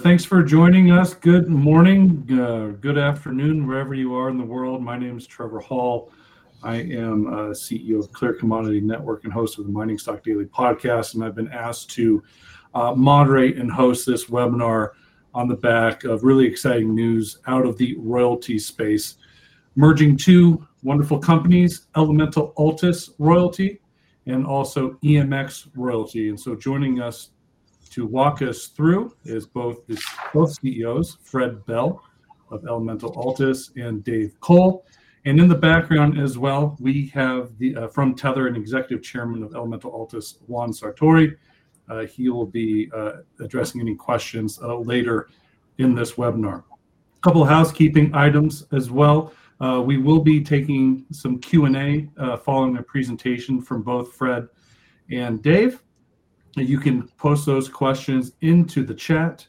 Thanks for joining us. Good morning, good afternoon, wherever you are in the world. My name is Trevor Hall. I am CEO of Clear Commodity Network and host of the Mining Stock Daily podcast. I've been asked to moderate and host this webinar on the back of really exciting news out of the royalty space, merging two wonderful companies, Elemental Altus Royalties and also EMX Royalty. Joining us to walk us through is both CEOs, Fred Bell of Elemental Altus and Dave Cole. In the background as well, we have the firm Tether and Executive Chairman of Elemental Altus, Juan Sartori. He will be addressing any questions later in this webinar. A couple of housekeeping items as well. We will be taking some Q&A following the presentation from both Fred and Dave. You can post those questions into the chat,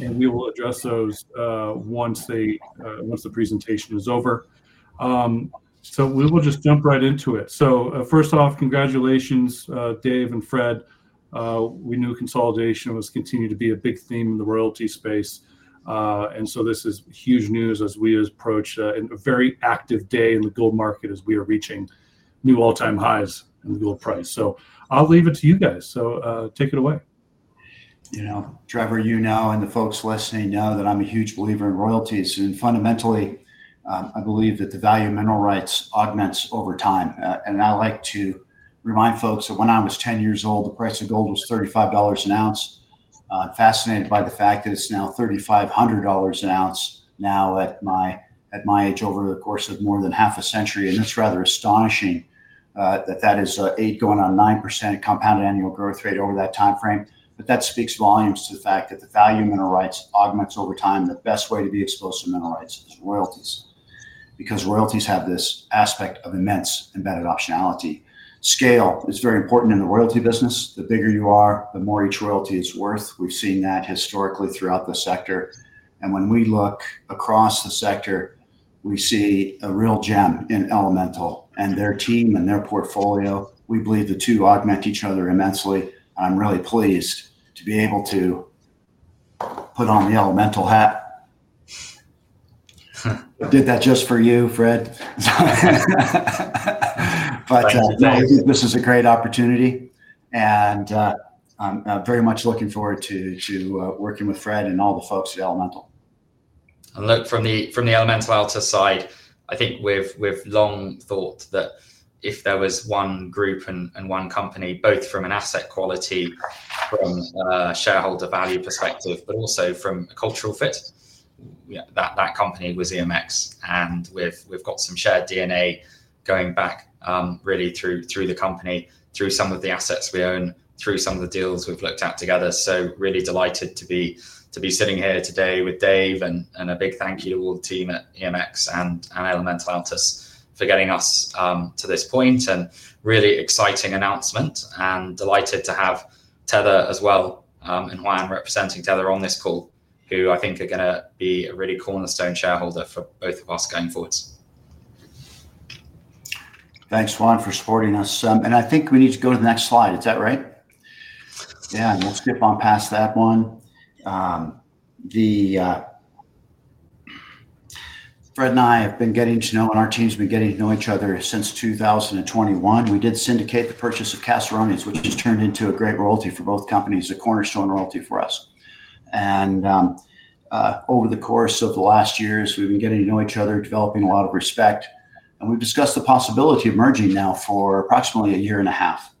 and we will address those once the presentation is over. We will just jump right into it. First off, congratulations, David and Frederick. We knew consolidation was continuing to be a big theme in the royalty space. This is huge news as we approach a very active day in the gold market as we are reaching new all-time highs in gold price. I'll leave it to you guys. Take it away. Trevor, you know, and the folks listening know that I'm a huge believer in royalties. Fundamentally, I believe that the value of mineral rights augments over time. I like to remind folks that when I was 10 years old, the price of gold was $35 an ounce. I'm fascinated by the fact that it's now $3,500 an ounce at my age over the course of more than half a century. It's rather astonishing that that is an 8% going on 9% compounded annual growth rate over that timeframe. That speaks volumes to the fact that the value of mineral rights augments over time. The best way to be exposed to mineral rights is royalties, because royalties have this aspect of immense embedded optionality. Scale is very important in the royalty business. The bigger you are, the more each royalty is worth. We've seen that historically throughout the sector. When we look across the sector, we see a real gem in Elemental and their team and their portfolio. We believe the two augment each other immensely. I'm really pleased to be able to put on the Elemental hat. Did that just for you, Fred. I think this is a great opportunity. I'm very much looking forward to working with Fred and all the folks at Elemental. From the Elemental Altus side, I think we've long thought that if there was one group and one company, both from an asset quality, from a shareholder value perspective, but also from a cultural fit, that company was EMX. We've got some shared DNA going back really through the company, through some of the assets we own, through some of the deals we've looked at together. I'm really delighted to be sitting here today with Dave, and a big thank you to all the team at EMX and Elemental Altus for getting us to this point and a really exciting announcement. I'm delighted to have Tether as well and Juan representing Tether on this call, who I think are going to be a really cornerstone shareholder for both of us going forward. Thanks, Juan, for supporting us. I think we need to go to the next slide. Is that right? Yeah, we'll skip on past that one. Fred and I have been getting to know, and our team's been getting to know each other since 2021. We did syndicate the purchase of Caserones, which has turned into a great royalty for both companies, a cornerstone royalty for us. Over the course of the last years, we've been getting to know each other, developing a lot of respect. We've discussed the possibility of merging now for approximately a year and a half.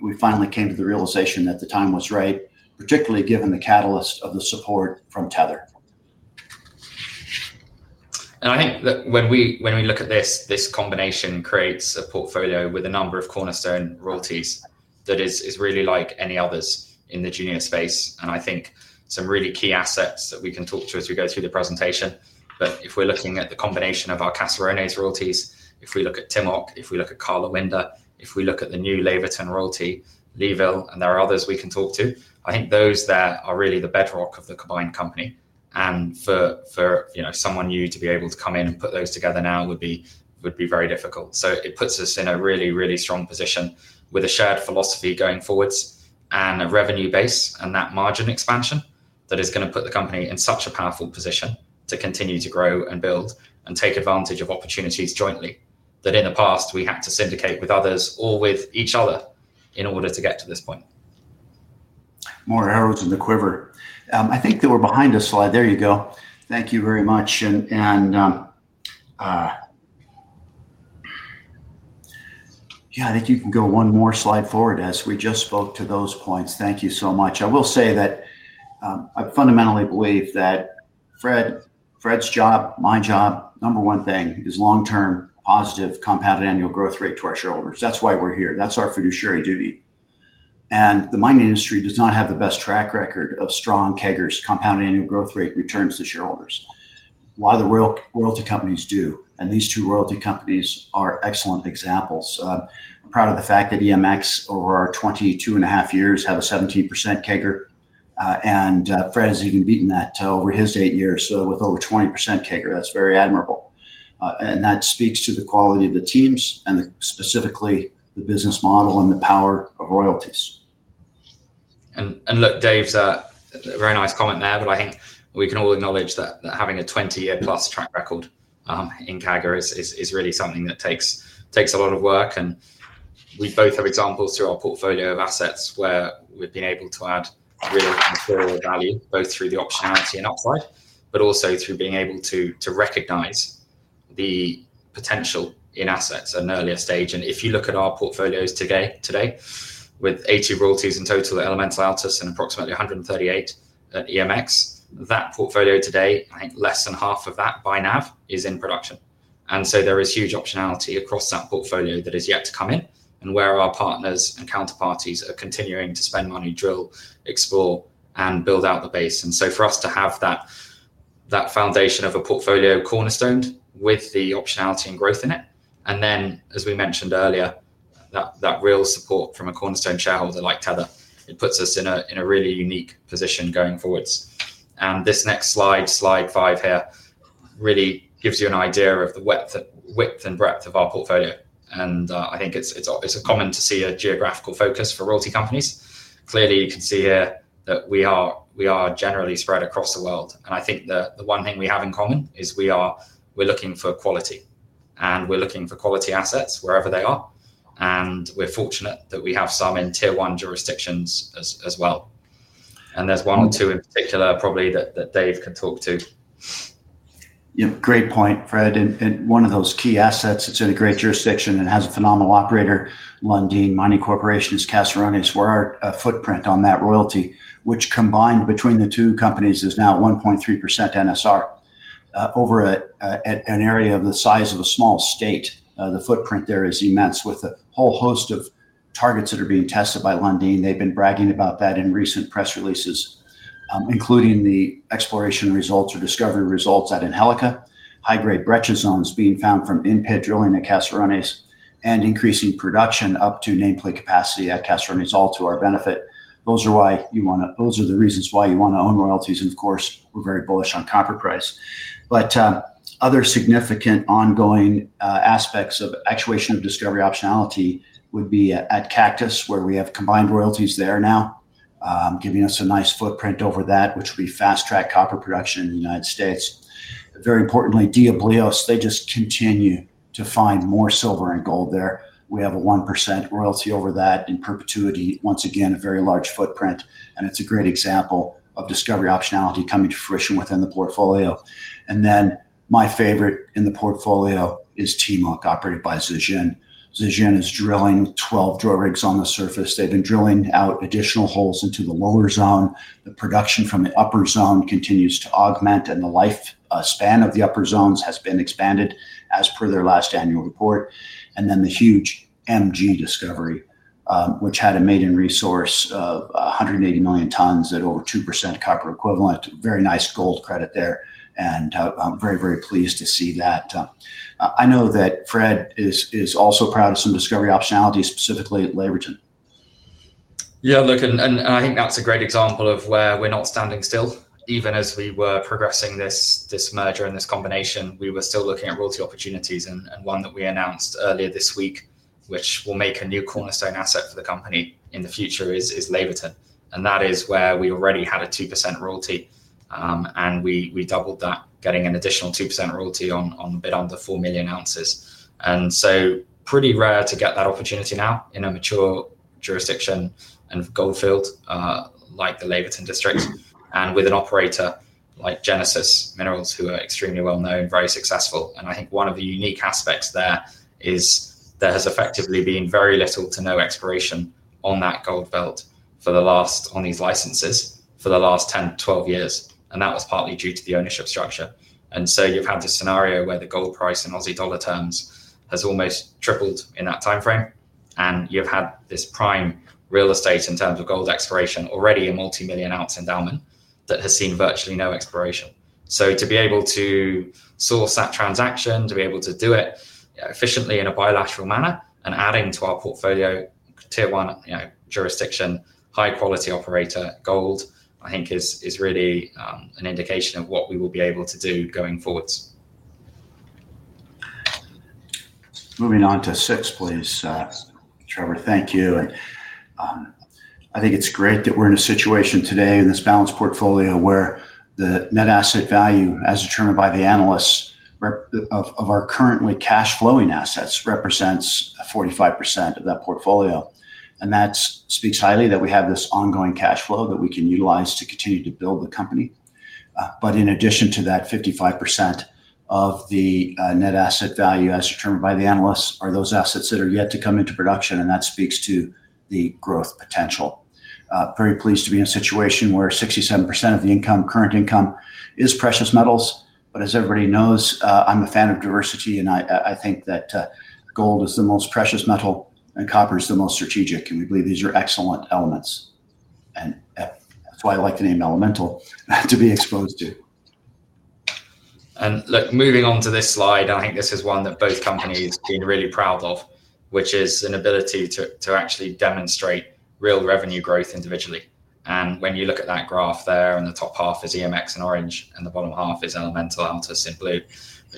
We finally came to the realization that the time was right, particularly given the catalyst of the support from Tether. I think that when we look at this, this combination creates a portfolio with a number of cornerstone royalties that is really like any others in the junior space. I think some really key assets that we can talk to as we go through the presentation. If we're looking at the combination of our Caserones royalty, if we look at Timok, if we look at Karlawinda, if we look at the new Laverton royalty, Leeville, and there are others we can talk to, I think those there are really the bedrock of the combined company. For someone new to be able to come in and put those together now would be very difficult. It puts us in a really, really strong position with a shared philosophy going forwards and a revenue base and that margin expansion that is going to put the company in such a powerful position to continue to grow and build and take advantage of opportunities jointly that in the past we had to syndicate with others or with each other in order to get to this point. More arrows in the quiver. I think they were behind us. There you go. Thank you very much. I think you can go one more slide forward as we just spoke to those points. Thank you so much. I will say that I fundamentally believe that Fred's job, my job, number one thing is long-term positive compound annual growth rate to our shareholders. That's why we're here. That's our fiduciary duty. The mining industry does not have the best track record of strong CAGR, compound annual growth rate returns to shareholders. A lot of the royalty companies do. These two royalty companies are excellent examples. I'm proud of the fact that EMX over our 22.5 years had a 17% CAGR, and Fred has even beaten that over his eight years. With over 20% CAGR, that's very admirable. That speaks to the quality of the teams and specifically the business model and the power of royalties. Look, Dave, very nice comment there, but I think we can all acknowledge that having a 20-year plus track record in CAGR is really something that takes a lot of work. We both have examples through our portfolio of assets where we've been able to add real and thorough value both through the optionality and upgrade, but also through being able to recognize the potential in assets at an earlier stage. If you look at our portfolios today, with 80 royalties in total at Elemental Altus and approximately 138 at EMX, that portfolio today, I think less than half of that by now is in production. There is huge optionality across that portfolio that is yet to come in and where our partners and counterparties are continuing to spend money, drill, explore, and build out the base. For us to have that foundation of a portfolio cornerstoned with the optionality and growth in it, and then, as we mentioned earlier, that real support from a cornerstone shareholder like Tether, it puts us in a really unique position going forwards. This next slide, slide five here, really gives you an idea of the width and breadth of our portfolio. I think it's common to see a geographical focus for royalty companies. Clearly, you can see here that we are generally spread across the world. The one thing we have in common is we are looking for quality. We're looking for quality assets wherever they are. We're fortunate that we have some in tier one jurisdictions as well. There's one or two in particular probably that Dave could talk to. Yeah, great point, Fred. One of those key assets, it's in a great jurisdiction and has a phenomenal operator, Lundin Mining Corporation's Caserones, where our footprint on that royalty, which combined between the two companies, is now 1.3% NSR. Over an area of the size of a small state, the footprint there is immense with a whole host of targets that are being tested by Lundin. They've been bragging about that in recent press releases, including the exploration results or discovery results out in [Hecla], high-grade breccia zones being found from in-pit drilling at Caserones, and increasing production up to nameplate capacity at Caserones all to our benefit. Those are the reasons why you want to own royalties. We're very bullish on copper price. Other significant ongoing aspects of actuation of discovery optionality would be at Cactus, where we have combined royalties there now, giving us a nice footprint over that, which will be fast track copper production in the United States. Very importantly, Diablillos, they just continue to find more silver and gold there. We have a 1% royalty over that in perpetuity, once again, a very large footprint. It's a great example of discovery optionality coming to fruition within the portfolio. My favorite in the portfolio is Timok operated by Zijin. Zijin is drilling 12 drill rigs on the surface. They've been drilling out additional holes into the lower zone. The production from the upper zone continues to augment, and the lifespan of the upper zones has been expanded as per their last annual report. The huge MG discovery, which had a median resource of 180 million tons at over 2% copper equivalent. Very nice gold credit there. I'm very, very pleased to see that. I know that Fred is also proud of some discovery optionalities, specifically at Laverton. Yeah, look, I think that's a great example of where we're not standing still. Even as we were progressing this merger and this combination, we were still looking at royalty opportunities. One that we announced earlier this week, which will make a new cornerstone asset for the company in the future, is Laverton. That is where we already had a 2% royalty, and we doubled that, getting an additional 2% royalty on a bit under 4 million ounces. It is pretty rare to get that opportunity now in a mature jurisdiction and gold field like the Laverton district, with an operator like Genesis Minerals, who are extremely well known and very successful. I think one of the unique aspects there is there has effectively been very little to no exploration on that gold belt for the last, on these licenses, for the last 10 to 12 years. That was partly due to the ownership structure. You've had a scenario where the gold price in Aussie dollar terms has almost tripled in that timeframe, and you've had this prime real estate in terms of gold exploration, already a multimillion ounce endowment that has seen virtually no exploration. To be able to source that transaction, to be able to do it efficiently in a bilateral manner and add into our portfolio tier one jurisdiction, high-quality operator gold, I think is really an indication of what we will be able to do going forwards. Moving on to six, please, Trevor. Thank you. I think it's great that we're in a situation today in this balanced portfolio where the net asset value, as determined by the analysts, of our currently cash-flowing assets represents 45% of that portfolio. That speaks highly that we have this ongoing cash flow that we can utilize to continue to build the company. In addition to that, 55% of the net asset value, as determined by the analysts, are those assets that are yet to come into production. That speaks to the growth potential. Very pleased to be in a situation where 67% of the current income is precious metals. As everybody knows, I'm a fan of diversity. I think that gold is the most precious metal and copper is the most strategic. We believe these are excellent elements. That's why I like the name Elemental to be exposed to. Moving on to this slide, I think this is one that both companies have been really proud of, which is an ability to actually demonstrate real revenue growth individually. When you look at that graph there, in the top half is EMX in orange, and the bottom half is Elemental Altus in blue.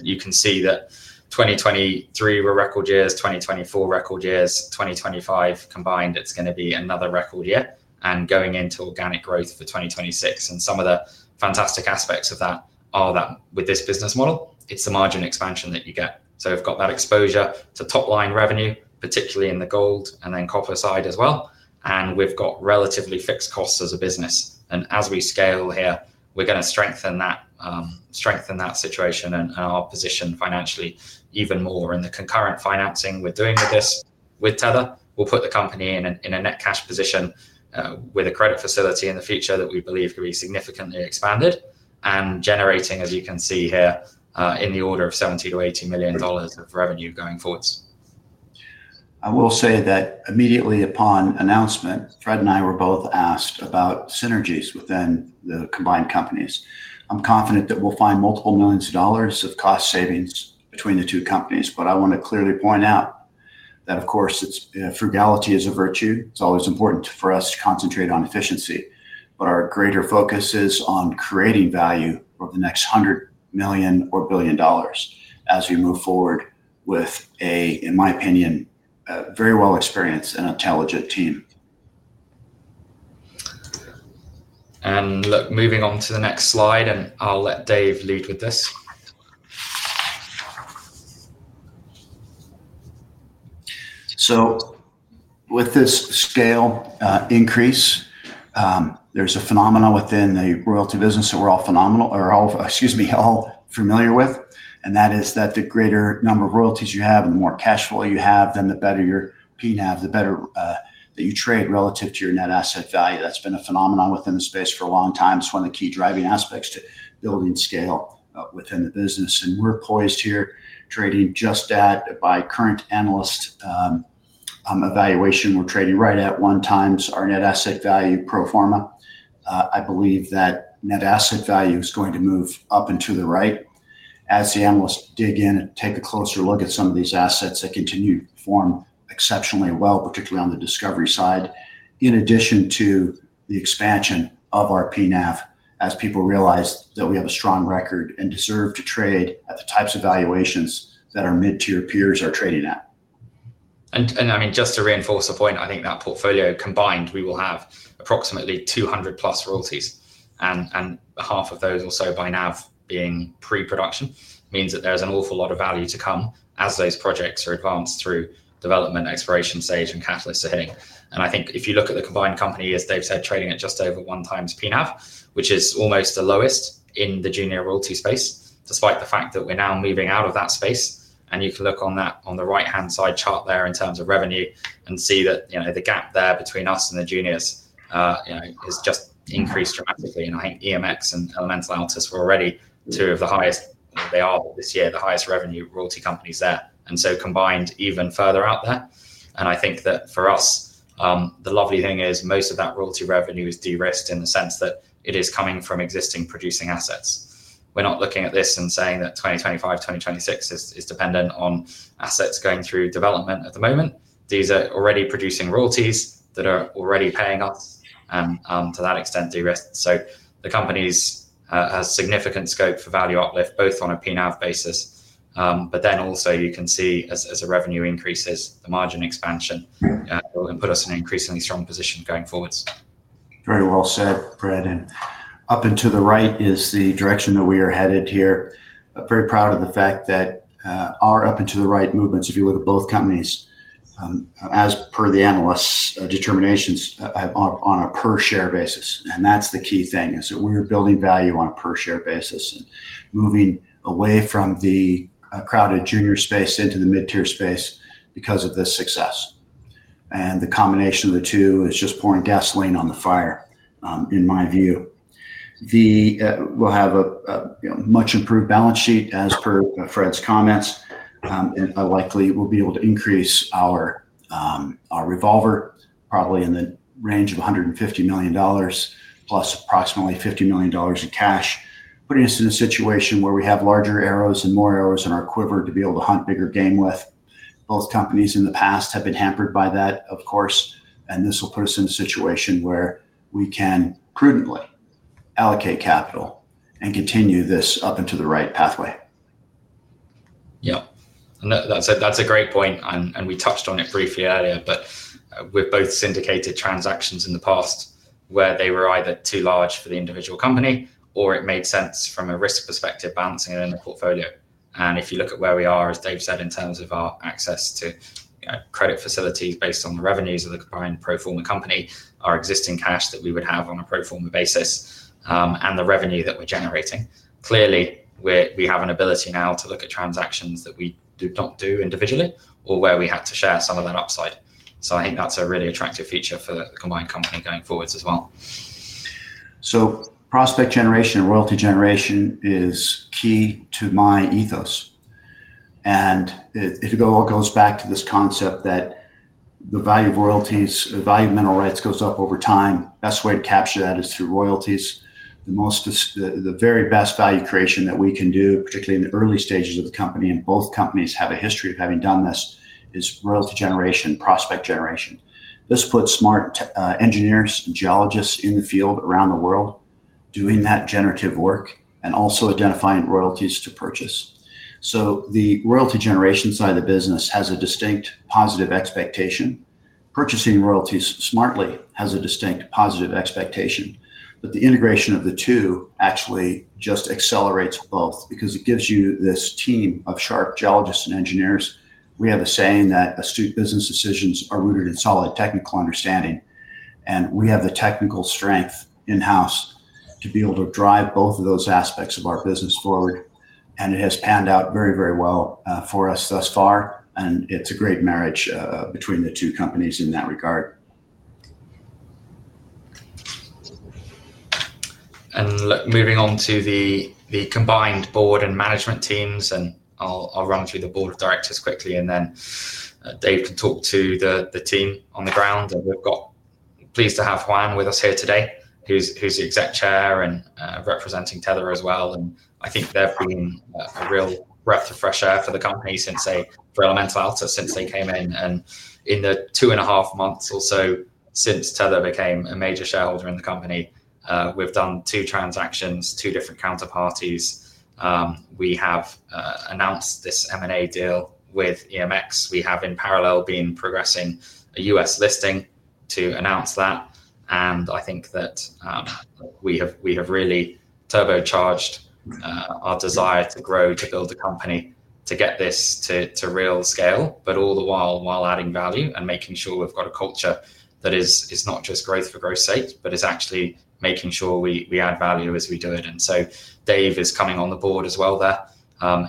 You can see that 2023 were record years, 2024 record years, 2025 combined, it's going to be another record year, and going into organic growth for 2026. Some of the fantastic aspects of that are that with this business model, it's the margin expansion that you get. We've got that exposure to top line revenue, particularly in the gold and then copper side as well. We've got relatively fixed costs as a business, and as we scale here, we're going to strengthen that situation and our position financially even more. The concurrent financing we're doing with this with Tether will put the company in a net cash position with a credit facility in the future that we believe could be significantly expanded and generating, as you can see here, in the order of $70 million- $80 million of revenue going forwards. I will say that immediately upon announcement, Fred and I were both asked about synergies within the combined companies. I'm confident that we'll find multiple millions of dollars of cost savings between the two companies. I want to clearly point out that, of course, frugality is a virtue. It's always important for us to concentrate on efficiency. Our greater focus is on creating value over the next $100 million or billion as we move forward with, in my opinion, a very well experienced and intelligent team. Moving on to the next slide, I'll let Dave lead with this. With this scale increase, there's a phenomenon within the royalty business that we're all familiar with. That is that the greater number of royalties you have and the more cash flow you have, then the better your PNAV, the better that you trade relative to your net asset value. That's been a phenomenon within the space for a long time. It's one of the key driving aspects to building scale within the business. We're poised here trading just that by current analyst evaluation. We're trading right at one times our net asset value pro forma. I believe that net asset value is going to move up and to the right as the analysts dig in and take a closer look at some of these assets that continue to perform exceptionally well, particularly on the discovery side, in addition to the expansion of our PNAV as people realize that we have a strong record and deserve to trade at the types of valuations that our mid-tier peers are trading at. Just to reinforce the point, I think that portfolio combined, we will have approximately 200 plus royalties. Half of those also by now being pre-production means that there's an awful lot of value to come as those projects are advanced through development, exploration stage, and catalysts are hitting. If you look at the combined company, as Dave said, trading at just over one times PNAV, which is almost the lowest in the junior royalty space, despite the fact that we're now moving out of that space. You can look on that on the right-hand side chart there in terms of revenue and see that the gap there between us and the juniors has just increased dramatically. I think EMX and Elemental Altus were already two of the highest, they are this year, the highest revenue royalty companies there. Combined, even further out there. For us, the lovely thing is most of that royalty revenue is de-risked in the sense that it is coming from existing producing assets. We're not looking at this and saying that 2025, 2026 is dependent on assets going through development at the moment. These are already producing royalties that are already paying us. To that extent, they risk. The company has significant scope for value uplift, both on a PNAV basis. You can see as the revenue increases, the margin expansion, it will put us in an increasingly strong position going forwards. Very well said, Fred. Up and to the right is the direction that we are headed here. Very proud of the fact that our up and to the right movements, if you would, of both companies, as per the analysts' determinations, are on a per share basis. That's the key thing, that we are building value on a per share basis and moving away from the crowded junior space into the mid-tier space because of this success. The combination of the two is just pouring gasoline on the fire, in my view. We'll have a much improved balance sheet as per Fred's comments. I likely will be able to increase our revolver, probably in the range of $150 million plus approximately $50 million in cash, putting us in a situation where we have larger arrows and more arrows in our quiver to be able to hunt bigger game with. Both companies in the past have been hampered by that, of course. This will put us in a situation where we can prudently allocate capital and continue this up and to the right pathway. Yeah, that's a great point. We touched on it briefly earlier, with both syndicated transactions in the past where they were either too large for the individual company or it made sense from a risk perspective balancing it in the portfolio. If you look at where we are, as Dave said, in terms of our access to credit facilities based on the revenues of the combined pro forma company, our existing cash that we would have on a pro forma basis, and the revenue that we're generating, clearly we have an ability now to look at transactions that we did not do individually or where we had to share some of that upside. I think that's a really attractive feature for the combined company going forwards as well. Prospect generation, royalty generation is key to my ethos. It all goes back to this concept that the value of royalties, the value of mineral rights goes up over time. The best way to capture that is through royalties. The very best value creation that we can do, particularly in the early stages of the company, and both companies have a history of having done this, is royalty generation, prospect generation. This puts smart engineers and geologists in the field around the world doing that generative work and also identifying royalties to purchase. The royalty generation side of the business has a distinct positive expectation. Purchasing royalties smartly has a distinct positive expectation. The integration of the two actually just accelerates both because it gives you this team of sharp geologists and engineers. We have a saying that astute business decisions are rooted in solid technical understanding. We have the technical strength in-house to be able to drive both of those aspects of our business forward. It has panned out very, very well for us thus far. It's a great marriage between the two companies in that regard. Moving on to the combined board and management teams, I'll run through the board of directors quickly. Dave could talk to the team on the ground. We're pleased to have Juan with us here today, who's the Executive Chairman and representing Tether Investments as well. I think they've been a real breath of fresh air for Elemental Altus since they came in. In the two and a half months or so since Tether became a major shareholder in the company, we've done two transactions with two different counterparties. We have announced this M&A deal with EMX. In parallel, we have been progressing a U.S. listing to announce that. I think that we have really turbocharged our desire to grow, to build a company, to get this to real scale, but all the while adding value and making sure we've got a culture that is not just growth for growth's sake, but is actually making sure we add value as we do it. Dave is coming on the board as well.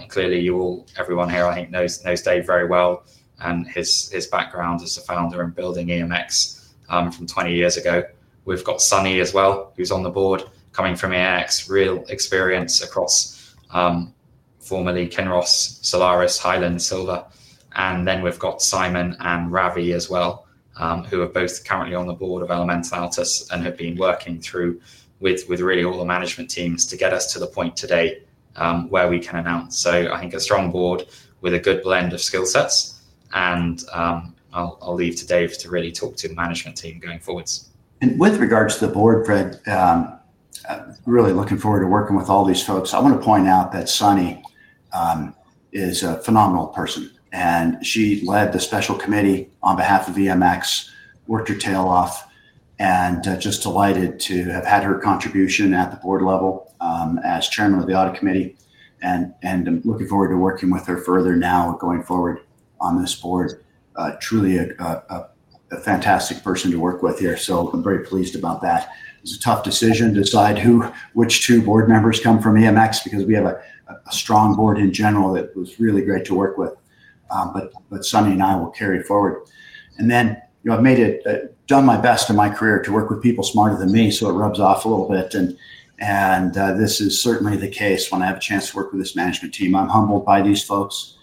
Clearly, everyone here, I think, knows Dave very well and his background as a founder in building EMX from 20 years ago. We've got Sunny as well, who's on the board, coming from EMX, real experience across formerly Kinross, Solaris, Highland, Silver. We've got Simon and Ravi as well, who are both currently on the board of Elemental Altus and have been working through with really all the management teams to get us to the point today where we can announce. I think it's a strong board with a good blend of skill sets. I'll leave it to Dave to really talk to the management team going forwards. With regards to the board, Fred, really looking forward to working with all these folks. I want to point out that Sunny is a phenomenal person. She led the special committee on behalf of EMX, worked her tail off, and just delighted to have had her contribution at the board level as Chairman of the Audit Committee. I'm looking forward to working with her further now going forward on this board. Truly a fantastic person to work with here. I'm very pleased about that. It's a tough decision to decide which two board members come from EMX because we have a strong board in general that was really great to work with. Sunny and I will carry forward. I've made it, done my best in my career to work with people smarter than me, so it rubs off a little bit. This is certainly the case when I have a chance to work with this management team. I'm humbled by these folks.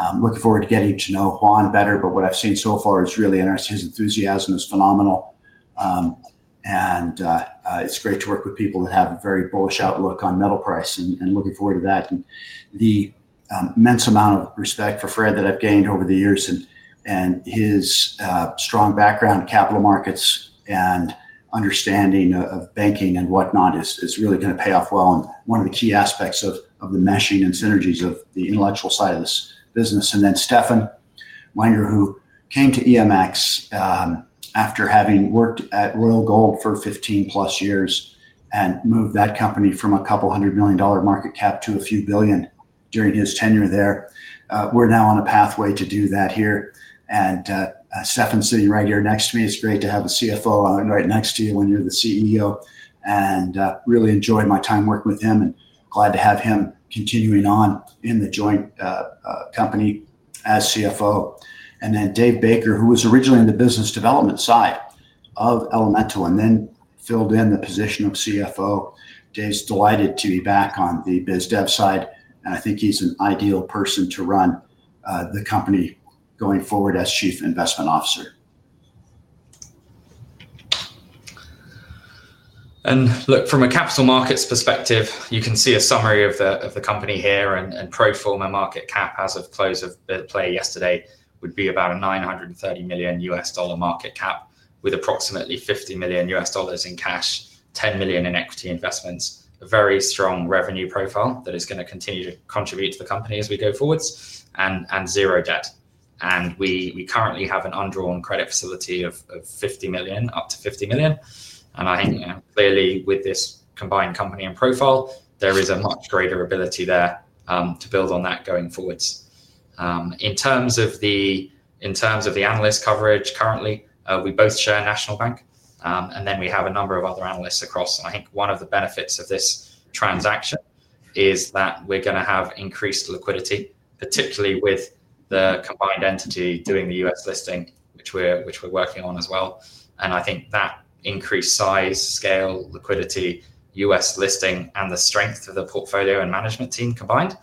I'm looking forward to getting to know Juan better, but what I've seen so far is really interesting. His enthusiasm is phenomenal. It's great to work with people that have a very bullish outlook on metal pricing and looking forward to that. The immense amount of respect for Fred that I've gained over the years and his strong background in capital markets and understanding of banking and whatnot is really going to pay off well. One of the key aspects is the meshing and synergies of the intellectual side of this business. Stefan Wenger, who came to EMX after having worked at Royal Gold for 15+ years and moved that company from a couple hundred million dollar market cap to a few billion during his tenure there. We're now on a pathway to do that here. Stefan sitting right here next to me, it's great to have a CFO right next to you when you're the CEO. I really enjoy my time working with him and glad to have him continuing on in the joint company as CFO. Dave Baker, who was originally in the business development side of Elemental and then filled in the position of CFO. Dave's delighted to be back on the biz dev side. I think he's an ideal person to run the company going forward as Chief Investment Officer. From a capital markets perspective, you can see a summary of the company here and pro forma market cap as of close of play yesterday would be about a $930 million market cap with approximately $50 million in cash, $10 million in equity investments, a very strong revenue profile that is going to continue to contribute to the company as we go forwards, and zero debt. We currently have an undrawn credit facility of up to $50 million. Clearly, with this combined company and profile, there is a much greater ability there to build on that going forwards. In terms of the analyst coverage currently, we both share National Bank. We have a number of other analysts across. One of the benefits of this transaction is that we're going to have increased liquidity, particularly with the combined entity doing the U.S. listing, which we're working on as well. That increased size, scale, liquidity, U.S. listing, and the strength of the portfolio and management team combined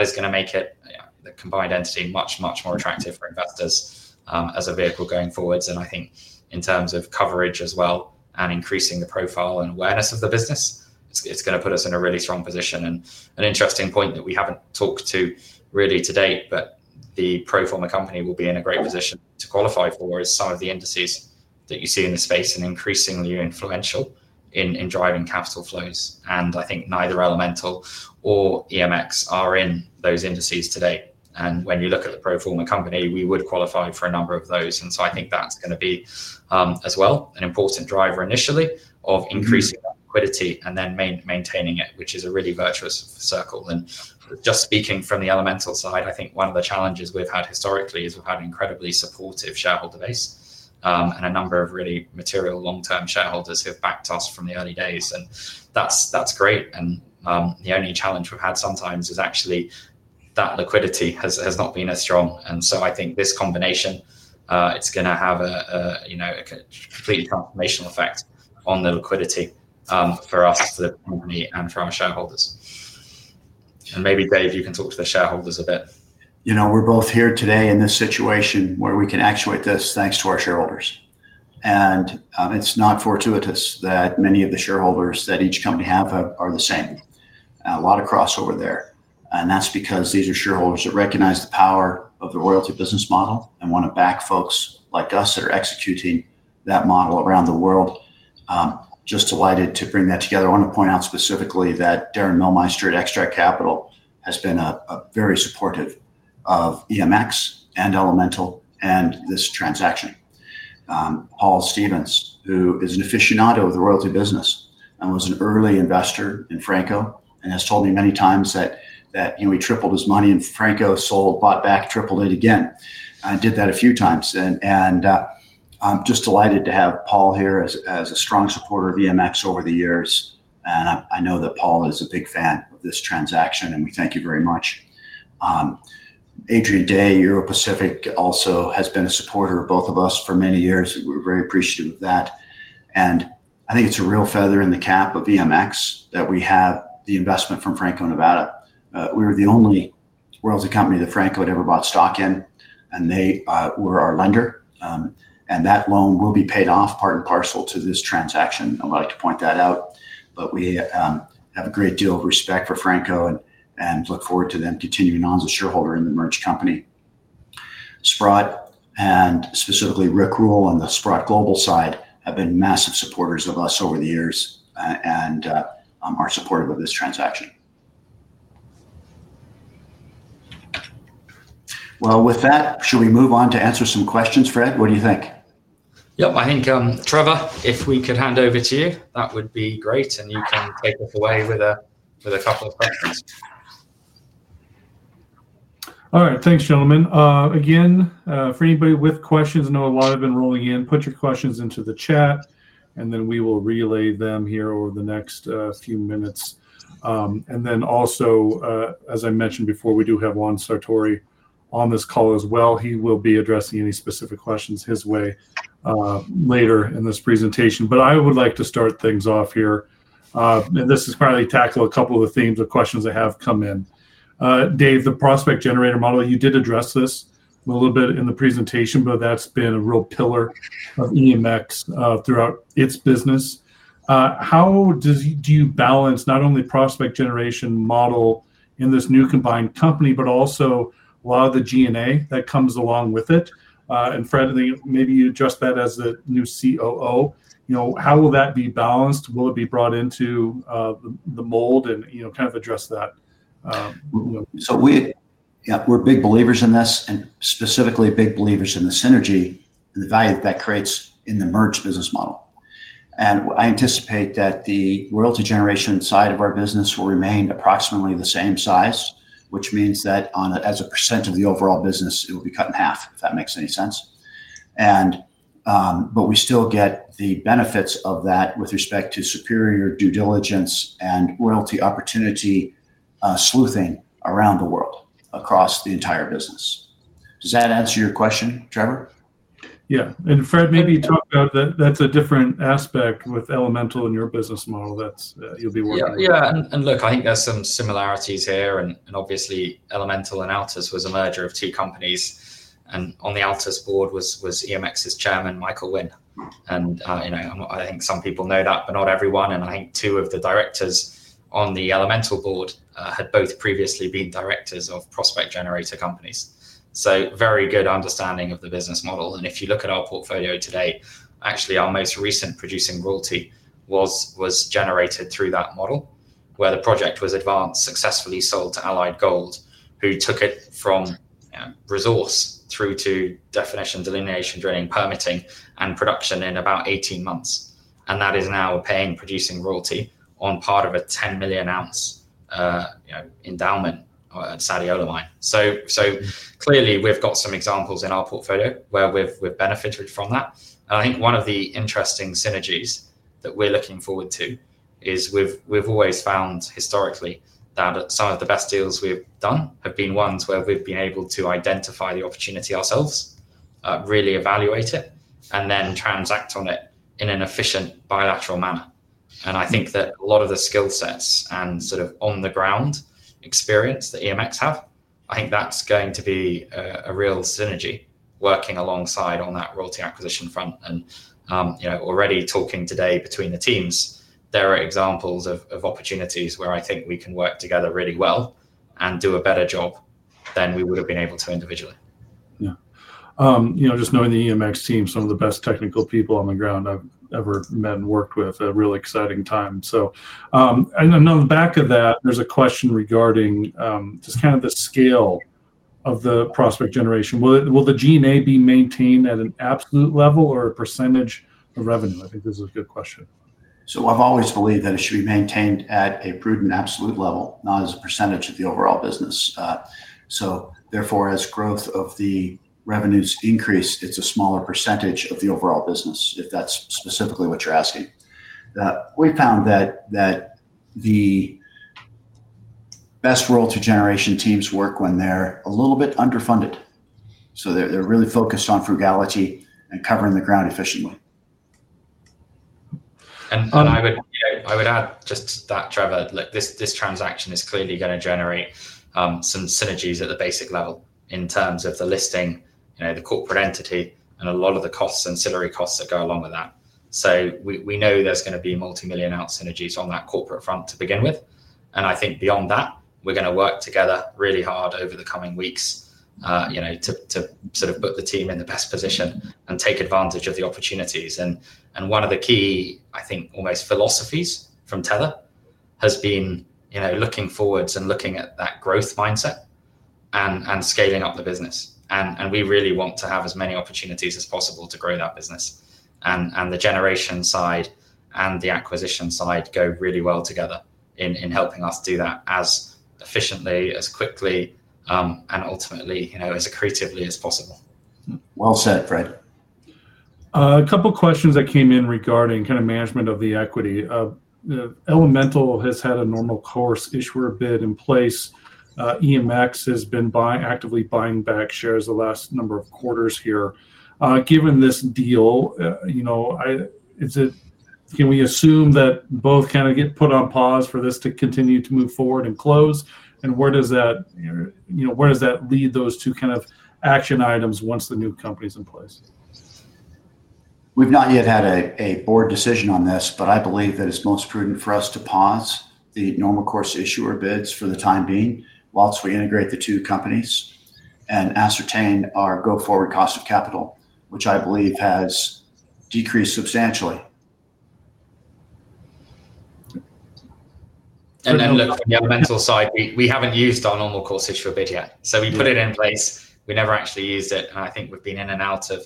is going to make the combined entity much, much more attractive for investors as a vehicle going forwards. In terms of coverage as well and increasing the profile and awareness of the business, it's going to put us in a really strong position. An interesting point that we haven't talked to really to date, but the pro forma company will be in a great position to qualify for is some of the indices that you see in the space and increasingly influential in driving capital flows. Neither Elemental or EMX are in those indices today. When you look at the pro forma company, we would qualify for a number of those. That is going to be as well an important driver initially of increasing liquidity and then maintaining it, which is a really virtuous circle. Just speaking from the Elemental side, one of the challenges we've had historically is we've had an incredibly supportive shareholder base and a number of really material long-term shareholders who have backed us from the early days. That's great. The only challenge we've had sometimes is actually that liquidity has not been as strong. This combination is going to have a completely transformational effect on the liquidity for us, the company, and for our shareholders. Maybe Dave, you can talk to the shareholders a bit. You know, we're both here today in this situation where we can actuate this thanks to our shareholders. It's not fortuitous that many of the shareholders that each company has are the same. A lot of crossover there. That's because these are shareholders that recognize the power of the royalty business model and want to back folks like us that are executing that model around the world. Just delighted to bring that together. I want to point out specifically that Darin Milmeister at Extract Capital has been very supportive of EMX and Elemental and this transaction. Paul Stevens, who is an aficionado of the royalty business and was an early investor and Franco and has told me many times that he tripled his money and Franco sold, bought back, tripled it again. I did that a few times. I'm just delighted to have Paul here as a strong supporter of EMX over the years. I know that Paul is a big fan of this transaction. Thank you very much. Adrian Day at Euro Pacific also has been a supporter of both of us for many years. We're very appreciative of that. I think it's a real feather in the cap of EMX that we have the investment from Franco- Nevada. We were the only royalty company that Franco had ever bought stock in. They were our lender, and that loan will be paid off part and parcel to this transaction. I want to point that out. We have a great deal of respect for Franco and look forward to them continuing on as a shareholder in the merged company. Sprott and specifically Rick Rule on the Sprott Global side have been massive supporters of us over the years and are supportive of this transaction. Should we move on to answer some questions, Fred? What do you think? I think, Trevor, if we could hand over to you, that would be great. You can take us away with a couple of questions. All right, thanks, gentlemen. Again, for anybody with questions, I know a lot have been rolling in, put your questions into the chat. We will relay them here over the next few minutes. As I mentioned before, we do have Juan Sartori on this call as well. He will be addressing any specific questions his way later in this presentation. I would like to start things off here. This is finally tackling a couple of the themes or questions I have come in. Dave, the prospect generator model, you did address this a little bit in the presentation, but that's been a real pillar of EMX throughout its business. How do you balance not only the prospect generation model in this new combined company, but also a lot of the DNA that comes along with it? Fred, maybe you address that as the new COO. How will that be balanced? Will it be brought into the mold and kind of address that? We are big believers in this and specifically big believers in the synergy and the value that that creates in the merged business model. I anticipate that the royalty generation side of our business will remain approximately the same size, which means that as a % of the overall business, it will be cut in half, if that makes any sense. We still get the benefits of that with respect to superior due diligence and royalty opportunity sleuthing around the world across the entire business. Does that answer your question, Trevor? Yeah, Fred, maybe talk about that. That's a different aspect with Elemental in your business model that you'll be working on. Yeah, I think there's some similarities here. Obviously, Elemental and Altus was a merger of two companies. On the Altus board was EMX's Chairman, Michael Winn. I think some people know that, but not everyone. Two of the directors on the Elemental board had both previously been directors of prospect generator companies, so very good understanding of the business model. If you look at our portfolio today, actually our most recent producing royalty was generated through that model where the project was advanced, successfully sold to Allied Gold, who took it from resource through to definition, delineation, drilling, permitting, and production in about 18 months. That is now a paying producing royalty on part of a 10 million ounce endowment at [Sadio Alumi]. Clearly, we've got some examples in our portfolio where we've benefited from that. One of the interesting synergies that we're looking forward to is we've always found historically that some of the best deals we've done have been ones where we've been able to identify the opportunity ourselves, really evaluate it, and then transact on it in an efficient bilateral manner. I think that a lot of the skill sets and sort of on-the-ground experience that EMX have, that's going to be a real synergy working alongside on that royalty acquisition front. Already talking today between the teams, there are examples of opportunities where I think we can work together really well and do a better job than we would have been able to individually. Yeah, you know, just knowing the EMX team, some of the best technical people on the ground I've ever met and worked with, a really exciting time. There's a question regarding just kind of the scale of the prospect generation. Will the DNA be maintained at an absolute level or a percentage of revenue? I think this is a good question. I've always believed that it should be maintained at a prudent absolute level, not as a percentage of the overall business. Therefore, as growth of the revenues increase, it's a smaller percentage of the overall business, if that's specifically what you're asking. We found that the best royalty generation teams work when they're a little bit underfunded. They're really focused on frugality and covering the ground efficiently. I would add just that, Trevor, this transaction is clearly going to generate some synergies at the basic level in terms of the listing, the corporate entity, and a lot of the costs and ancillary costs that go along with that. We know there's going to be multimillion dollar synergies on that corporate front to begin with. I think beyond that, we're going to work together really hard over the coming weeks to sort of put the team in the best position and take advantage of the opportunities. One of the key, I think, almost philosophies from Tether has been looking forwards and looking at that growth mindset and scaling up the business. We really want to have as many opportunities as possible to grow that business. The generation side and the acquisition side go really well together in helping us do that as efficiently, as quickly, and ultimately, you know, as accretively as possible. Well said, Fred. A couple of questions that came in regarding kind of management of the equity. Elemental has had a normal course issuer bid in place. EMX has been actively buying back shares the last number of quarters here. Given this deal, can we assume that both kind of get put on pause for this to continue to move forward and close? Where does that lead those two kind of action items once the new company's in place? We've not yet had a board decision on this, but I believe that it's most prudent for us to pause the normal course issuer bids for the time being whilst we integrate the two companies and ascertain our go-forward cost of capital, which I believe has decreased substantially. On the Elemental side, we haven't used our normal course issuer bid yet. We put it in place, but we never actually used it. I think we've been in and out of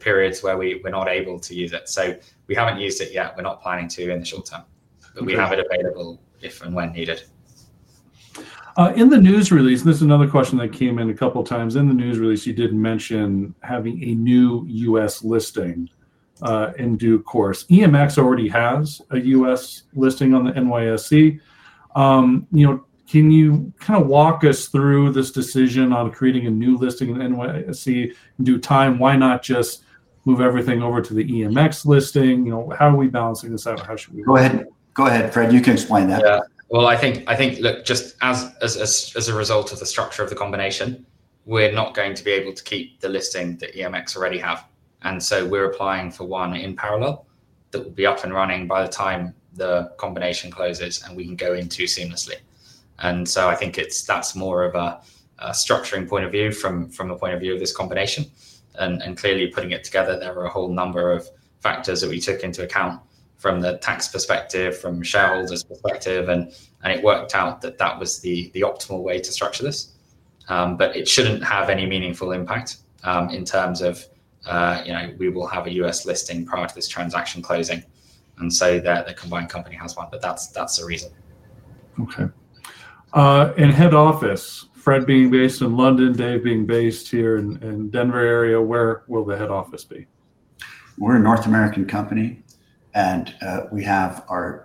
periods where we're not able to use it, so we haven't used it yet. We're not planning to in the short term, but we have it available if and when needed. In the news release, and this is another question that came in a couple of times, in the news release, you did mention having a new U.S. listing in due course. EMX already has a U.S. listing on the NYSE. You know, can you kind of walk us through this decision on creating a new listing in the NYSE? In due time, why not just move everything over to the EMX listing? You know, how are we balancing this out? How should we go ahead? Go ahead, Fred. You can explain that. I think, just as a result of the structure of the combination, we're not going to be able to keep the listing that EMX already have. We're applying for one in parallel that will be up and running by the time the combination closes and we can go into seamlessly. I think that's more of a structuring point of view from the point of view of this combination. Clearly, putting it together, there were a whole number of factors that we took into account from the tax perspective, from shareholders' perspective. It worked out that that was the optimal way to structure this. It shouldn't have any meaningful impact in terms of, you know, we will have a U.S. listing prior to this transaction closing. The combined company has one, that's the reason. In head office, Fred being based in London, Dave being based here in the Denver area, where will the head office be? We're a North American company and we have our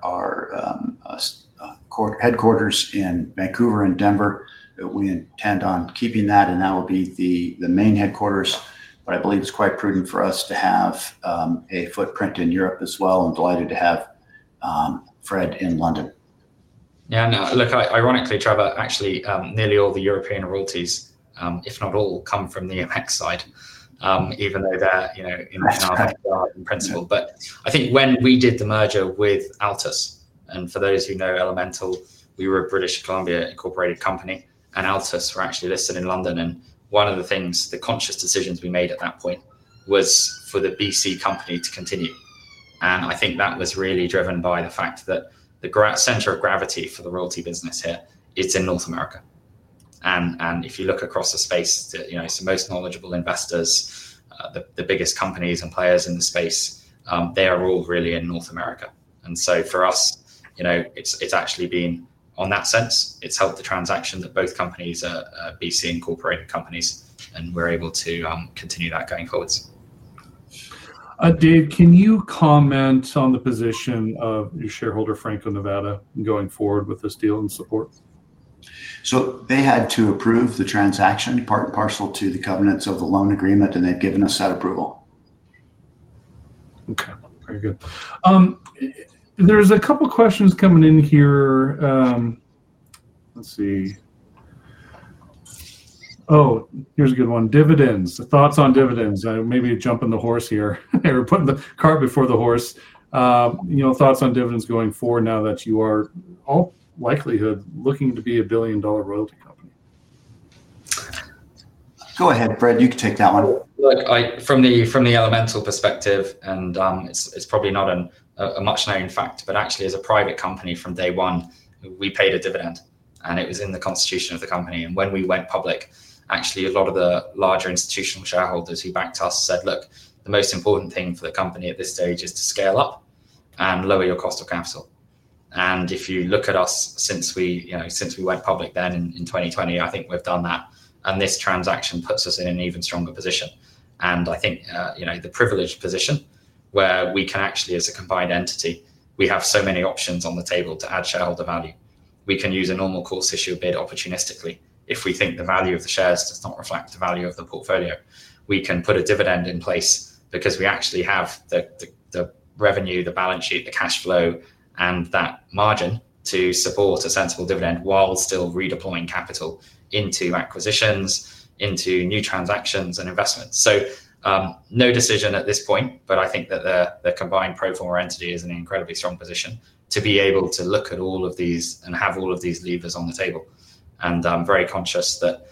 headquarters in Vancouver and Denver. We intend on keeping that and that will be the main headquarters. I believe it's quite prudent for us to have a footprint in Europe as well. I'm delighted to have Fred in London. Yeah, and look, ironically, Trevor, actually nearly all the European royalties, if not all, come from the Apex side, even though they're in our principle. I think when we did the merger with Altus, and for those who know Elemental, we were a British Columbia incorporated company and Altus were actually listed in London. One of the conscious decisions we made at that point was for the B.C. company to continue. I think that was really driven by the fact that the center of gravity for the royalty business here is in North America. If you look across the space, some of the most knowledgeable investors, the biggest companies and players in the space, they are all really in North America. For us, it's actually been, on that sense, it's helped the transactions that both companies are B.C. incorporated companies and we're able to continue that going forwards. Dave, can you comment on the position of your shareholder Franco-Nevada going forward with this deal and support? They had to approve the transaction part and partial to the covenants of the loan agreement, and they've given us that approval. Okay, very good. There's a couple of questions coming in here. Let's see. Oh, here's a good one. Dividends. Thoughts on dividends? Maybe jumping the horse here or putting the cart before the horse. You know, thoughts on dividends going forward now that you are in all likelihood looking to be a billion dollar royalty company? Go ahead, Frederick. You can take that one. Look, from the Elemental perspective, and it's probably not a much known fact, but actually as a private company from day one, we paid a dividend and it was in the constitution of the company. When we went public, actually a lot of the larger institutional shareholders who backed us said, look, the most important thing for the company at this stage is to scale up and lower your cost of capital. If you look at us since we went public then in 2020, I think we've done that. This transaction puts us in an even stronger position. I think the privileged position where we can actually, as a combined entity, we have so many options on the table to add shareholder value. We can use a normal course issue bid opportunistically. If we think the value of the shares does not reflect the value of the portfolio, we can put a dividend in place because we actually have the revenue, the balance sheet, the cash flow, and that margin to support a sensible dividend while still redeploying capital into acquisitions, into new transactions, and investments. No decision at this point, but I think that the combined pro forma entity is in an incredibly strong position to be able to look at all of these and have all of these levers on the table. I'm very conscious that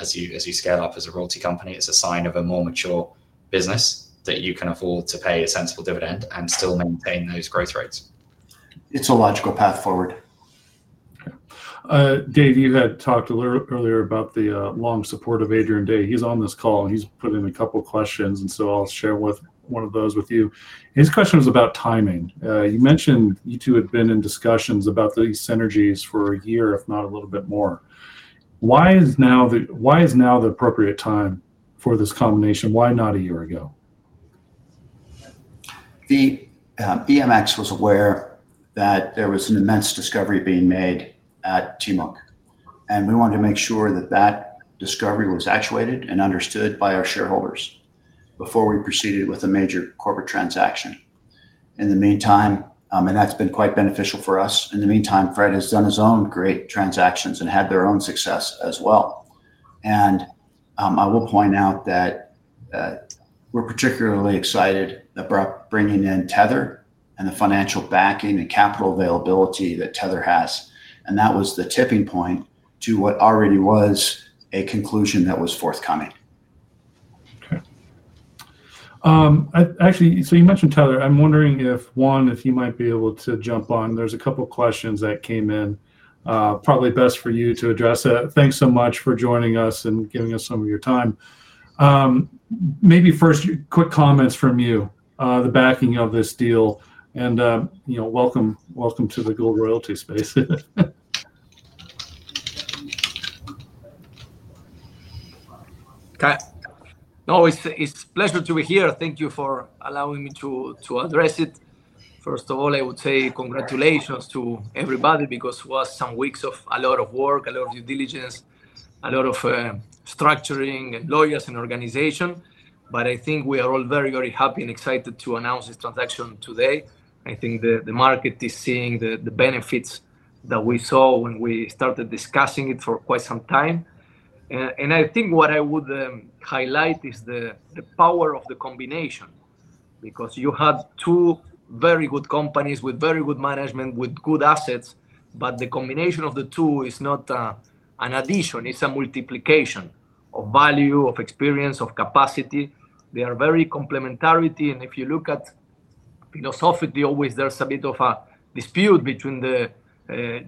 as you scale up as a royalty company, it's a sign of a more mature business that you can afford to pay a sensible dividend and still maintain those growth rates. It's a logical path forward. Dave, you had talked earlier about the long support of Adrian Day. He's on this call and he's put in a couple of questions. I'll share one of those with you. His question was about timing. You mentioned you two had been in discussions about these synergies for a year, if not a little bit more. Why is now the appropriate time for this combination? Why not a year ago? EMX was aware that there was an immense discovery being made at Timok. We wanted to make sure that that discovery was actuated and understood by our shareholders before we proceeded with a major corporate transaction. In the meantime, that's been quite beneficial for us. Fred has done his own great transactions and had their own success as well. I will point out that we're particularly excited about bringing in Tether and the financial backing and capital availability that Tether has. That was the tipping point to what already was a conclusion that was forthcoming. Actually, you mentioned Tether. I'm wondering if Juan, if he might be able to jump on. There's a couple of questions that came in. Probably best for you to address. Thanks so much for joining us and giving us some of your time. Maybe first quick comments from you, the backing of this deal. You know, welcome to the gold royalty space. It's a pleasure to be here. Thank you for allowing me to address it. First of all, I would say congratulations to everybody because it was some weeks of a lot of work, a lot of due diligence, a lot of structuring, lawyers, and organization. I think we are all very, very happy and excited to announce this transaction today. I think the market is seeing the benefits that we saw when we started discussing it for quite some time. What I would highlight is the power of the combination because you had two very good companies with very good management, with good assets. The combination of the two is not an addition. It's a multiplication of value, of experience, of capacity. They are very complementary. If you look at philosophically, always there's a bit of a dispute between the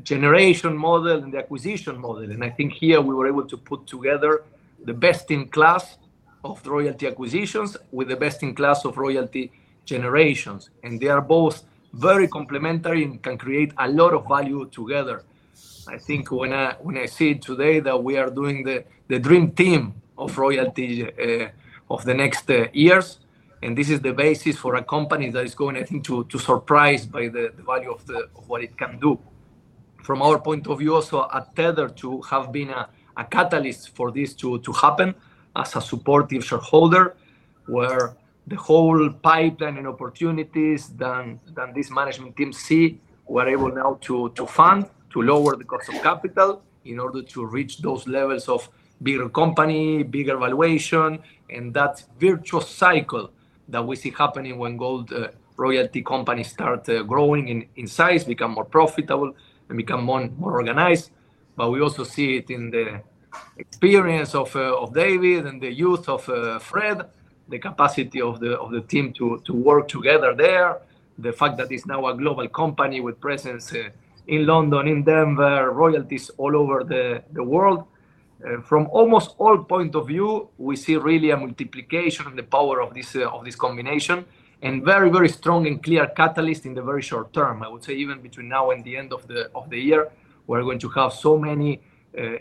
generation model and the acquisition model. I think here we were able to put together the best in class of royalty acquisitions with the best in class of royalty generations. They are both very complementary and can create a lot of value together. I think when I see today that we are doing the dream team of royalty of the next years, this is the basis for a company that is going, I think, to surprise by the value of what it can do. From our point of view, also at Tether, to have been a catalyst for this to happen as a supportive shareholder where the whole pipeline and opportunities that this management team sees, we're able now to fund, to lower the cost of capital in order to reach those levels of bigger company, bigger valuation. That's a virtuous cycle that we see happening when gold royalty companies start growing in size, become more profitable, and become more organized. We also see it in the experience of David and the youth of Fred, the capacity of the team to work together there, the fact that it's now a global company with presence in London, in Denver, royalties all over the world. From almost all points of view, we see really a multiplication of the power of this combination and very, very strong and clear catalyst in the very short term. I would say even between now and the end of the year, we're going to have so many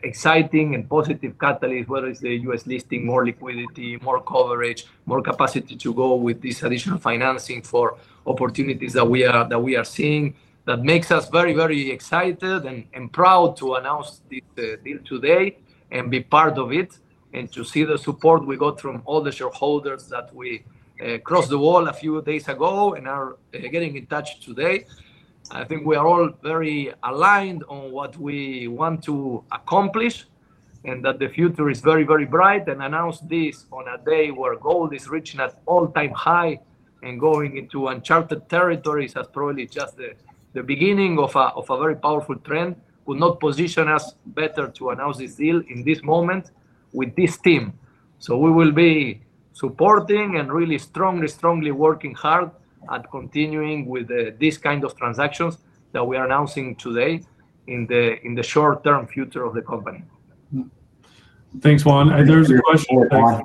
exciting and positive catalysts, whether it's the U.S. listing, more liquidity, more coverage, more capacity to go with this additional financing for opportunities that we are seeing. That makes us very, very excited and proud to announce this deal today and be part of it and to see the support we got from all the shareholders that we crossed the wall a few days ago and are getting in touch today. I think we are all very aligned on what we want to accomplish and that the future is very, very bright and announce this on a day where gold is reaching an all-time high and going into uncharted territories as probably just the beginning of a very powerful trend would not position us better to announce this deal in this moment with this team. We will be supporting and really strongly, strongly working hard at continuing with these kinds of transactions that we are announcing today in the short-term future of the company. Thanks, Juan. There was a question.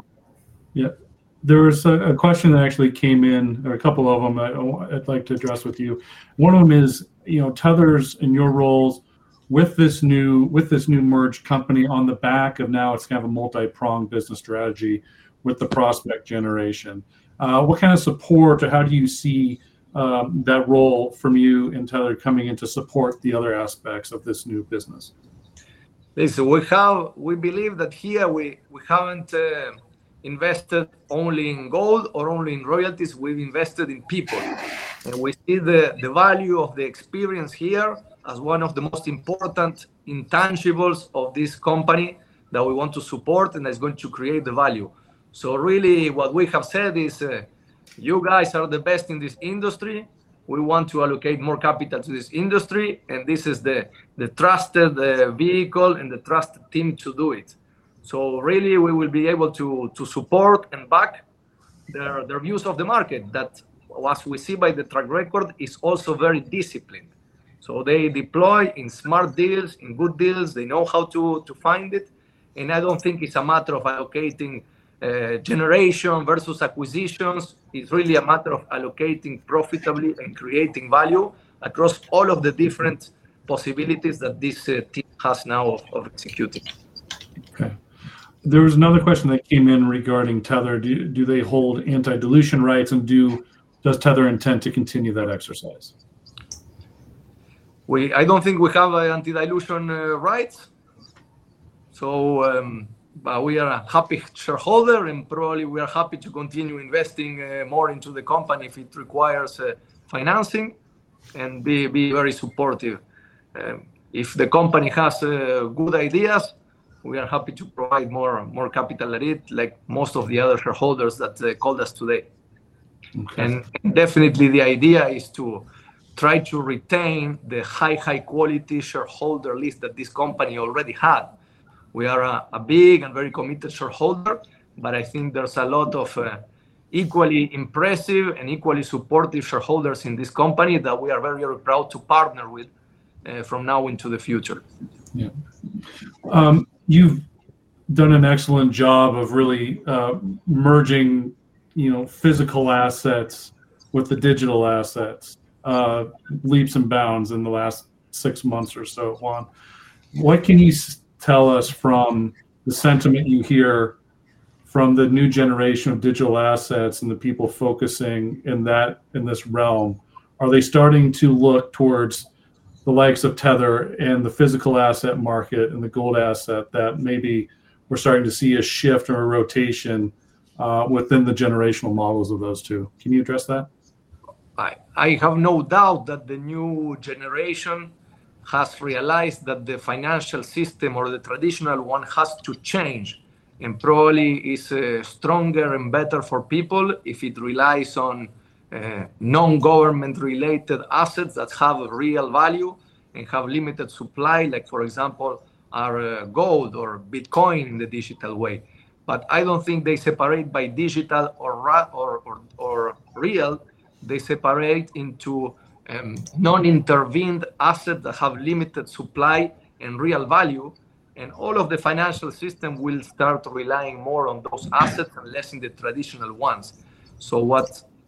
There was a question that actually came in, or a couple of them I'd like to address with you. One of them is, you know, Tether's in your roles with this new merged company on the back of now it's kind of a multi-prong business strategy with the prospect generation. What kind of support or how do you see that role from you and Tether coming in to support the other aspects of this new business? Basically, we believe that here we haven't invested only in gold or only in royalties. We've invested in people, and we see the value of the experience here as one of the most important intangibles of this company that we want to support and that's going to create the value. What we have said is you guys are the best in this industry. We want to allocate more capital to this industry, and this is the trusted vehicle and the trusted team to do it. We will be able to support and back their views of the market that, as we see by the track record, is also very disciplined. They deploy in smart deals, in good deals. They know how to find it. I don't think it's a matter of allocating generation versus acquisitions. It's really a matter of allocating profitably and creating value across all of the different possibilities that this team has now of executing. Okay. There was another question that came in regarding Tether. Do they hold anti-dilution rights, and does Tether intend to continue that exercise? I don't think we have anti-dilution rights. We are a happy shareholder and probably we are happy to continue investing more into the company if it requires financing and be very supportive. If the company has good ideas, we are happy to provide more capital at it, like most of the other shareholders that called us today. The idea is to try to retain the high, high quality shareholder list that this company already had. We are a big and very committed shareholder. I think there's a lot of equally impressive and equally supportive shareholders in this company that we are very proud to partner with from now into the future. Yeah. You've done an excellent job of really merging, you know, physical assets with the digital assets, leaps and bounds in the last six months or so, Juan. What can you tell us from the sentiment you hear from the new generation of digital assets and the people focusing in this realm? Are they starting to look towards the likes of Tether and the physical asset market and the gold asset that maybe we're starting to see a shift or a rotation within the generational models of those two? Can you address that? I have no doubt that the new generation has realized that the financial system or the traditional one has to change and probably is stronger and better for people if it relies on non-government related assets that have real value and have limited supply, like for example, our gold or Bitcoin in the digital way. I don't think they separate by digital or real. They separate into non-intervened assets that have limited supply and real value. All of the financial system will start relying more on those assets and less on the traditional ones.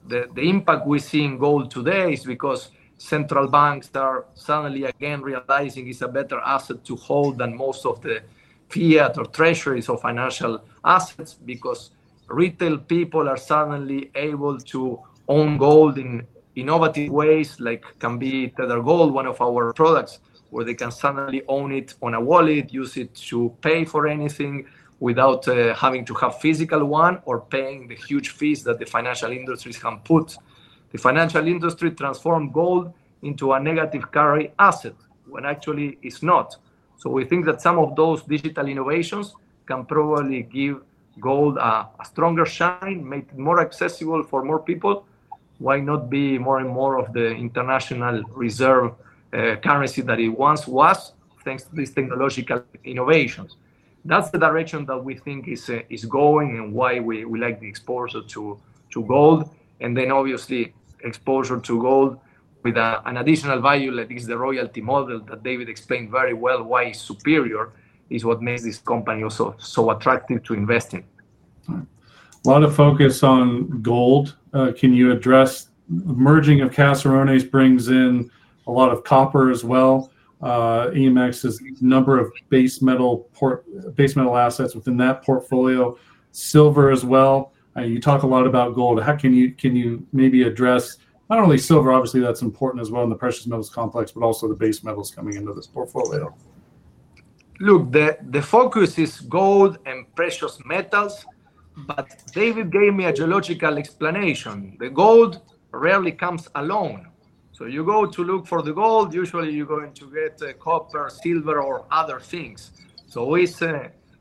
The impact we see in gold today is because central banks are suddenly again realizing it's a better asset to hold than most of the fiat or treasuries or financial assets because retail people are suddenly able to own gold in innovative ways, like can be Tether Gold, one of our products, where they can suddenly own it on a wallet, use it to pay for anything without having to have a physical one or paying the huge fees that the financial industries can put. The financial industry transformed gold into a negative carry asset when actually it's not. We think that some of those digital innovations can probably give gold a stronger shine, make it more accessible for more people. Why not be more and more of the international reserve currency that it once was, thanks to these technological innovations? That's the direction that we think is going and why we like the exposure to gold. Obviously, exposure to gold with an additional value, like this is the royalty model that David explained very well, why it's superior, is what makes this company also so attractive to invest in. I want to focus on gold. Can you address the merging of Caserones brings in a lot of copper as well? EMX has a number of base metal assets within that portfolio, silver as well. You talk a lot about gold. Can you maybe address not only silver? Obviously, that's important as well in the precious metals complex, but also the base metals coming into this portfolio. Look, the focus is gold and precious metals, but David gave me a geological explanation. The gold rarely comes alone. You go to look for the gold, usually you're going to get copper, silver, or other things. It's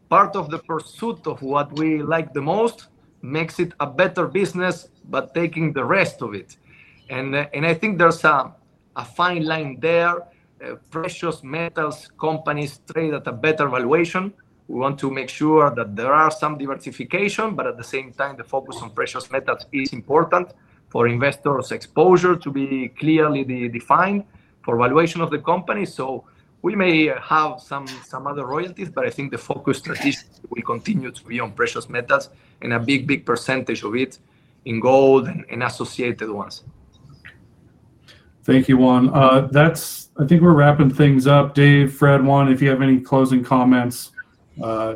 part of the pursuit of what we like the most, makes it a better business, but taking the rest of it. I think there's a fine line there. Precious metals companies trade at a better valuation. We want to make sure that there is some diversification, but at the same time, the focus on precious metals is important for investors' exposure to be clearly defined for valuation of the company. We may have some other royalties, but I think the focus strategically continues to be on precious metals and a big, big percentage of it in gold and associated ones. Thank you, Juan. I think we're wrapping things up. Dave, Fred, Juan, if you have any closing comments,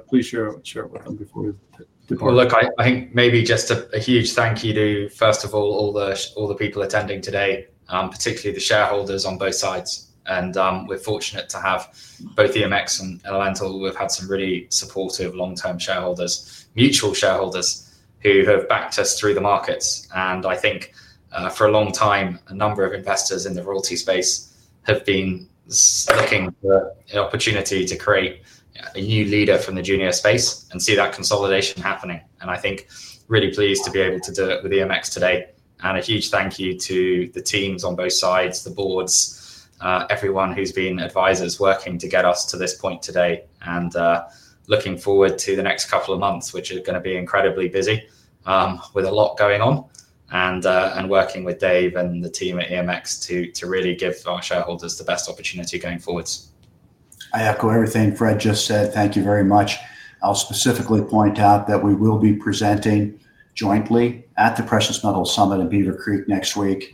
please share it before we depart. I think maybe just a huge thank you to, first of all, all the people attending today, particularly the shareholders on both sides. We're fortunate to have both EMX and Elemental. We've had some really supportive long-term shareholders, mutual shareholders who have backed us through the markets. I think for a long time, a number of investors in the royalty space have been looking for an opportunity to create a new leader from the junior space and see that consolidation happening. I think really pleased to be able to do it with EMX today. A huge thank you to the teams on both sides, the boards, everyone who's been advisors working to get us to this point today. Looking forward to the next couple of months, which are going to be incredibly busy with a lot going on and working with Dave and the team at EMX to really give our shareholders the best opportunity going forward. I echo everything Fred just said. Thank you very much. I'll specifically point out that we will be presenting jointly at the Precious Metals Summit in Beaver Creek next week.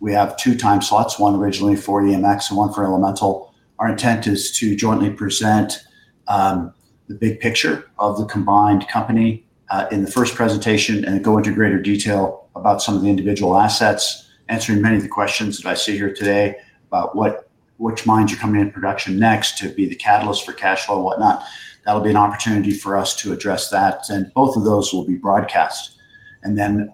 We have two time slots, one originally for EMX and one for Elemental. Our intent is to jointly present the big picture of the combined company in the first presentation and go into greater detail about some of the individual assets, answering many of the questions that I see here today about which mines are coming in production next to be the catalyst for cash flow and whatnot. That will be an opportunity for us to address that. Both of those will be broadcast.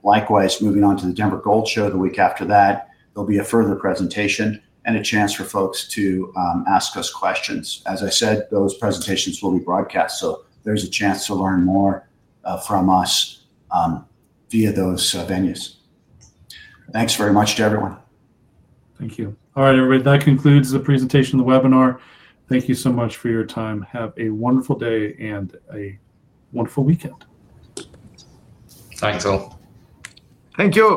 Likewise, moving on to the Denver Gold Show the week after that, there will be a further presentation and a chance for folks to ask us questions. As I said, those presentations will be broadcast. There is a chance to learn more from us via those venues. Thanks very much to everyone. Thank you. All right, everybody, that concludes the presentation of the webinar. Thank you so much for your time. Have a wonderful day and a wonderful weekend. Thanks, all. Thank you.